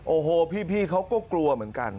โอ้โหพี่เขาก็กลัวเหมือนกัน